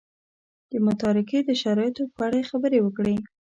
د متارکې د شرایطو په اړه یې خبرې وکړې.